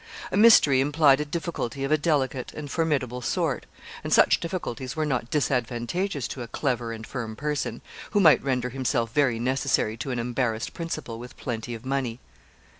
A mystery implied a difficulty of a delicate and formidable sort; and such difficulties were not disadvantageous to a clever and firm person, who might render himself very necessary to an embarrassed principal with plenty of money.